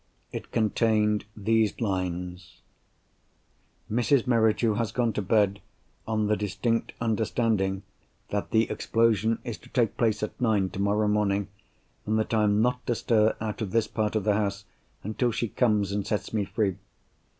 It contained these lines: "Mrs. Merridew has gone to bed, on the distinct understanding that the explosion is to take place at nine tomorrow morning, and that I am not to stir out of this part of the house until she comes and sets me free.